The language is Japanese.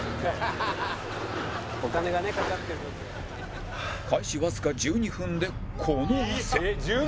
「お金がねかかってる」開始わずか１２分でこの汗